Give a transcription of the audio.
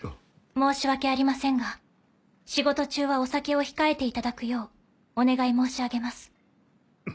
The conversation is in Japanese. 申し訳ありませんが仕事中はお酒を控えていただくようお願い申し上げます。